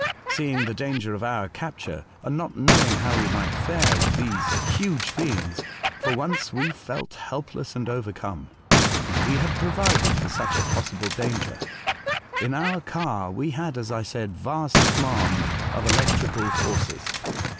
Seeing the clanger of our capture, and not knowing liow we might fare with these huge beings, for once we felt helpless and overcome. But we had provided for such a possible danger. In our car we had, as I said, vast command of electrical forces.